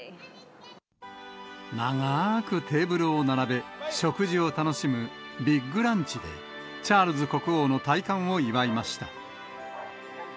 長ーくテーブルを並べ、食事を楽しむビッグランチで、チャールズ国王の戴冠を祝いました。